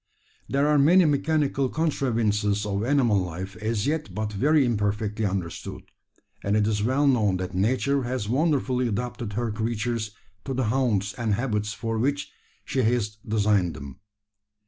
There are many mechanical contrivances of animal life as yet but very imperfectly understood; and it is well known that Nature has wonderfully adapted her creatures to the haunts and habits for which she has designed them.